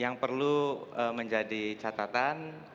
yang perlu menjadi catatan